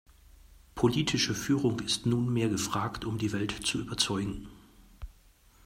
Politische Führung ist nunmehr gefragt, um die Welt zu überzeugen.